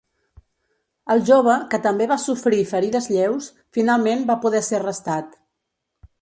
El jove, que també va sofrir ferides lleus, finalment va poder ser arrestat.